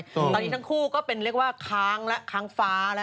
ตอนนี้ทั้งคู่ก็เป็นเรียกว่าครั้งฟ้าละ